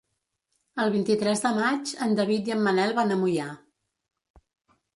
El vint-i-tres de maig en David i en Manel van a Moià.